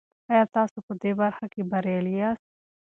آیا تاسو په دې برخه کې بریالي یاست؟